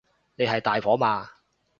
你係大婆嘛